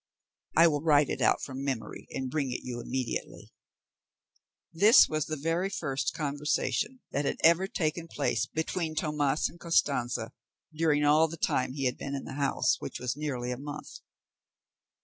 "I will write it out from memory, and bring it you immediately." This was the very first conversation that had ever taken place between Tomas and Costanza during all the time he had been in the house, which was nearly a month.